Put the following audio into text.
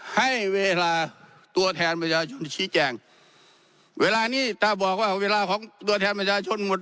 ให้เวลาตัวแทนประชาชนชี้แจงเวลานี้ถ้าบอกว่าเวลาของตัวแทนประชาชนหมด